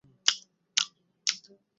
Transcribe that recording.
বেশ ভালোমানের off break bowler ছিলেন তিনি।